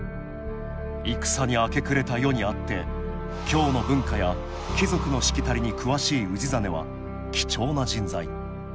戦に明け暮れた世にあって京の文化や貴族のしきたりに詳しい氏真は貴重な人材。